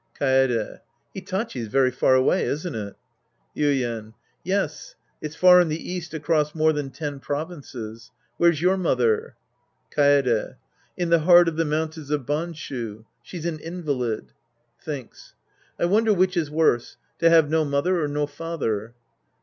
Kaede. Hitachi's very far away, isn't it ? Yuien. Yes. It's far in the east across more than ten provinces. Where's your mother ? Kaede. In the heart of the mountains of Banshu. She's an invalid. {Thinks.) I wonder which is worse, to have no mother or no father.